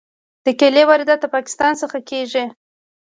د کیلې واردات له پاکستان څخه کیږي.